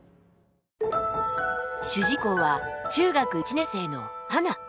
主人公は中学１年生のハナ。